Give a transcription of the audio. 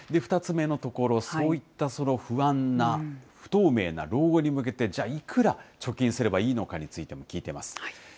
２つ目のところ、そういった不安な、不透明な老後に向けて、じゃあ、いくら貯金すればいいのかについても聞いてます。